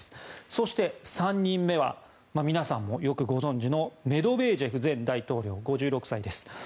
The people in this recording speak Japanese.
そして、３人目は皆さんもよくご存じのメドベージェフ前大統領５６歳です。